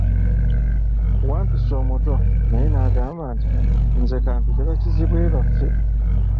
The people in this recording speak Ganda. Wampisi omuto naye n'agamba nti, nze ka mpite bakizibwe baffe.